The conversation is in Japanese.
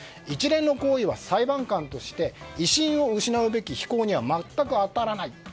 一連の行為は裁判官として威信を失うべき非行には全く当たらない。